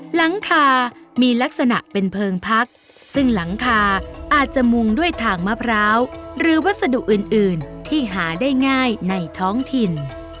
หลังคามีลักษณะเป็นเพลิงพักซึ่งหลังคาอาจจะมุงด้วยถ่างมะพร้าวหรือวัสดุอื่นที่หาได้ง่ายในท้องถิ่น